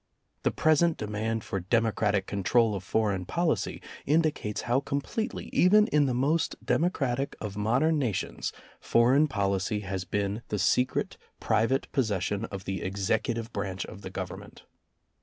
The present demand for demo cratic control of foreign policy indicates how completely, even in the most democratic of modern nations, foreign policy has been the secret private possession of the executive branch of the Govern ment.